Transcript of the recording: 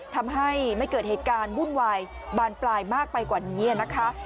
ทำให้ไม่เกิดเหตุการณ์วุ่นวายบานปลายมากไปกว่านี้นะคะ